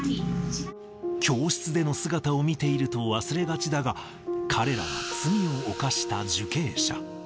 教室での姿を見ていると忘れがちだが、彼らは罪を犯した受刑者。